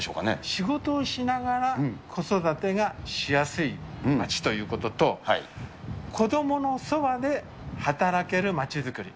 仕事をしながら子育てがしやすい街ということと、子どものそばで働ける街づくり。